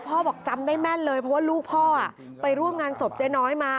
บอกจำได้แม่นเลยเพราะว่าลูกพ่อไปร่วมงานศพเจ๊น้อยมา